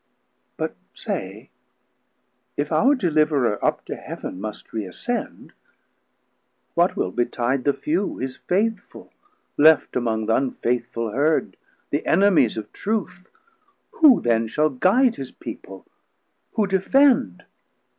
But say, if our deliverer up to Heav'n Must reascend, what will betide the few His faithful, left among th' unfaithful herd, 480 The enemies of truth; who then shall guide His people, who defend?